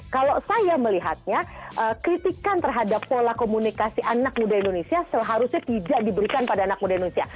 kalau saya melihatnya kritikan terhadap pola komunikasi anak muda indonesia seharusnya tidak diberikan pada anak muda indonesia